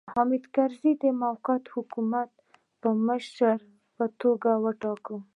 حامد کرزی یې د موقت حکومت مشر په توګه وټاکه.